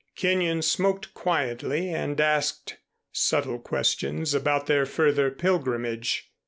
Kenyon smoked quietly and asked subtle questions about their further pilgrimage.